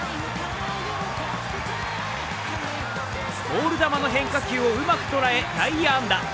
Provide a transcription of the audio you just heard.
ボール球の変化球をうまく捉え内野安打。